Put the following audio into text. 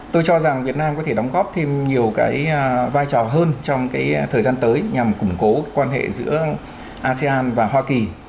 tôi cho rằng việt nam có thể đóng góp thêm nhiều cái vai trò hơn trong cái thời gian tới nhằm củng cố quan hệ giữa asean và hoa kỳ